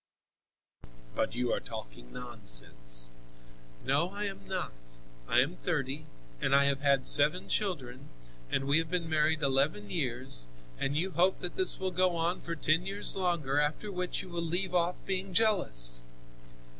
"But you are talking nonsense!" "No, I am not, I am thirty, and I have had seven children, and we have been married eleven years, and you hope that this will go on for ten years longer, after which you will leave off being jealous."